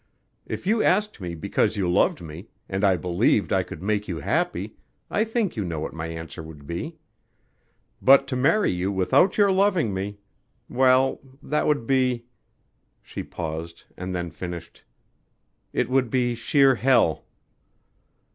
If you asked me because you loved me, and I believed I could make you happy I think you know what my answer would be. But to marry you without your loving me well, that would be " She paused and then finished: "It would be sheer Hell."